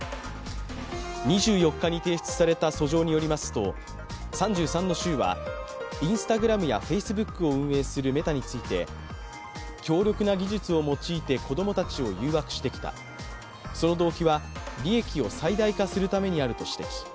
２４日に提出された訴状によりますと３３の州はＩｎｓｔａｇｒａｍやＦａｃｅｂｏｏｋを運営するメタについて強力な技術を用いて子供たちを誘惑してきた、その動機は利益を最大化するためにあると指摘